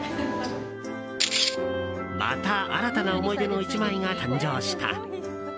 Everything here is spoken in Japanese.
また新たな思い出の１枚が誕生した。